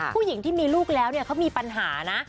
ผู้หญิงที่มีลูกแล้วเนี่ยเขามีปัญหานะ